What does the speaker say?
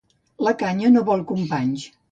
La canya no vol companys.